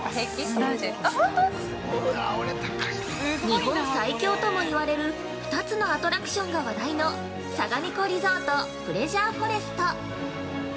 ◆日本最恐とも言われる２つのアトラクションが話題のさがみ湖リゾートプレジャーフォレスト！